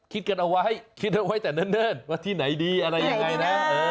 คิดกันเอาไว้คิดเอาไว้แต่เนิ่นว่าที่ไหนดีอะไรยังไงนะ